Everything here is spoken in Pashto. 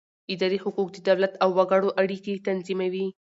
اداري حقوق د دولت او وګړو اړیکې تنظیموي.